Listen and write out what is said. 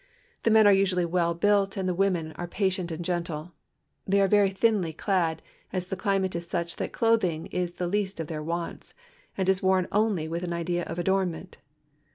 The men are usually well built and the women are patient and gentle. They are very thinly clad, as the climate is such that clothing is the least of their wants and is Avorn only with an idea of adornment.